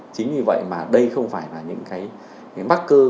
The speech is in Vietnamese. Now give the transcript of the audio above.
chính vì vậy mà đây không phải là những cái bắc cơ